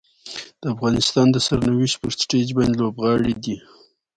د افغانستان د سرنوشت پر سټیج باندې لوبغاړي دي.